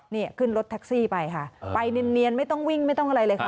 นี่ขึ้นรถแท็กซี่ไปค่ะไปเนียนไม่ต้องวิ่งไม่ต้องอะไรเลยค่ะ